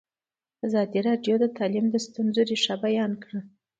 ازادي راډیو د تعلیم د ستونزو رېښه بیان کړې.